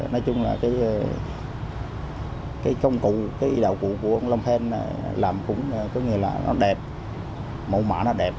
nói chung là công cụ đạo cụ của ông lâm phen làm cũng có nghĩa là nó đẹp mẫu mạ nó đẹp